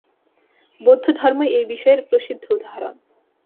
বৌদ্ধধর্মই এই বিষয়ের প্রসিদ্ধ উদাহরণ।